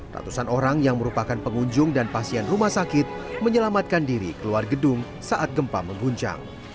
ratusan orang yang merupakan pengunjung dan pasien rumah sakit menyelamatkan diri keluar gedung saat gempa mengguncang